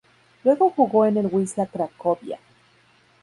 Luego jugó en el Wisła Cracovia.